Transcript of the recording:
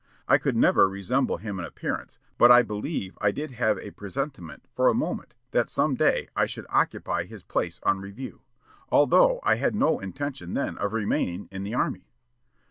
I could never resemble him in appearance, but I believe I did have a presentiment, for a moment, that some day I should occupy his place on review although I had no intention then of remaining in the army.